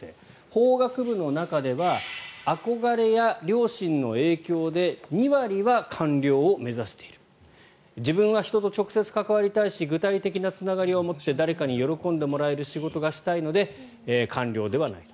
法学部の中では憧れや両親の影響で２割は官僚を目指している自分は人と直接関わりたいし具体的なつながりを持って誰かに喜んでもらえる仕事がしたいので官僚ではないと。